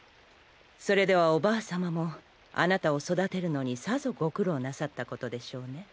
それではおばあ様もあなたを育てるのにさぞご苦労なさったことでしょうね。